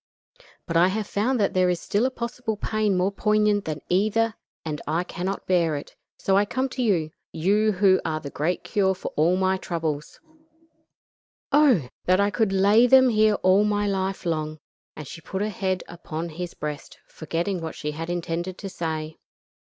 But I have found that there is still a possible pain more poignant than either, and I cannot bear it; so I come to you you who are the great cure for all my troubles. Oh! that I could lay them here all my life long," and she put her head upon his breast, forgetting what she had intended to say.